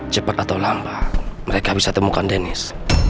cepat atau lambat mereka bisa temukan denis